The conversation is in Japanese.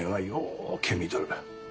うけ見とる。